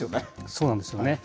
そうなんですよね。